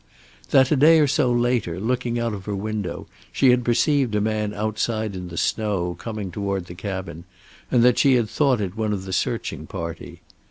That, a day or so later, looking out of her window, she had perceived a man outside in the snow coming toward the cabin, and that she had thought it one of the searching party.